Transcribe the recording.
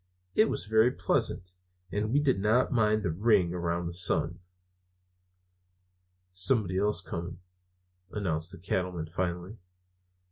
It was very pleasant, and we did not mind the ring around the sun. "Somebody else coming," announced the Cattleman finally.